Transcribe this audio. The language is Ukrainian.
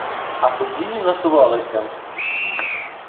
А події насувалися.